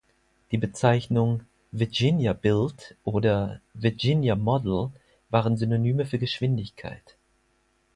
Die Bezeichnung „Virginia-built“ oder „Virginia-model“ waren Synonyme für Geschwindigkeit.